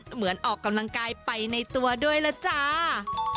เหมือนออกกำลังกายไปในตัวด้วยล่ะจ้า